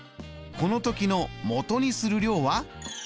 この時のもとにする量は？